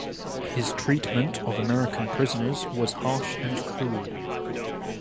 His treatment of American prisoners was harsh and cruel.